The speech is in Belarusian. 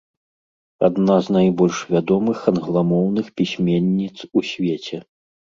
Адна з найбольш вядомых англамоўных пісьменніц у свеце.